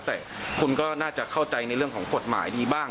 แต่คุณก็น่าจะเข้าใจในเรื่องของกฎหมายดีบ้าง